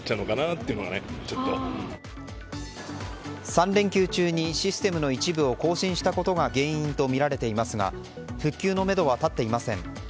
３連休中にシステムの一部を更新したことが原因とみられていますが復旧のめどは立っていません。